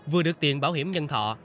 vừa được tiền bảo hiểm nhân thọ